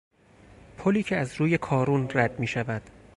پلی که از روی کارون رد میشود